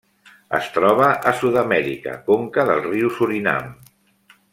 Es troba a Sud-amèrica: conca del riu Surinam.